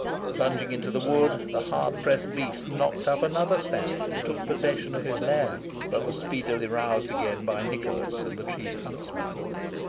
Plunging into the wood, the hard pressed beast knocked up another stag, and took possession of his lair, but was speedily roused again by Nicholas and the chief huntsman.